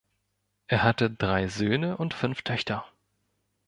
Er hatte drei Söhne und fünf Töchter.